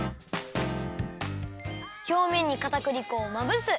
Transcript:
ひょうめんにかたくり粉をまぶす。